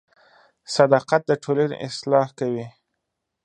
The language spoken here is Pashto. • صداقت د ټولنې اصلاح کوي.